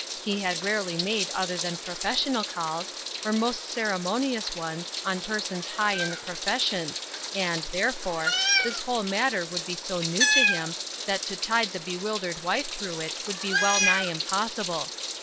He had rarely made other than professional calls, or most ceremonious onee ise A Society Cross, 137 on persons high in the profession, and, therefore this whole matter would be so new to him that to tide the bewildered wife through it would be well nigh impossible.